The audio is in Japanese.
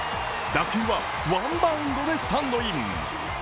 打球はワンバウンドでスタンドイン。